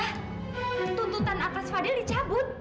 tuntutan atas fadil dicabut